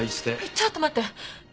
ちょっと待って！